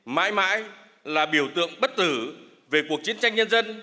mãi mãi là biểu tượng bất tử về cuộc chiến tranh nhân dân